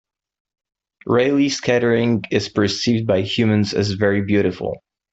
Raleigh scattering is perceived by humans as very beautiful.